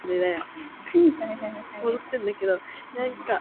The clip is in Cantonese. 你公司有冇出三十吋喼？